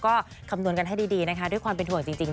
ก็คำนวณกันให้ดีนะคะด้วยความเป็นห่วงจริง